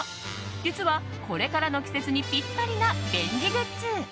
実はこれからの季節にピッタリな便利グッズ。